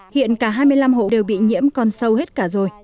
hiện cả hai mươi năm hộ đều bị nhiễm còn sâu hết cả rồi